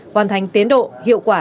hoàn thành tiến độ hiệu quả